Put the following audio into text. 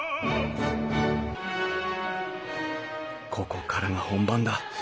ここからが本番だ。